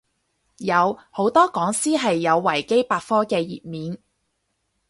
有，好多講師係有維基百科嘅頁面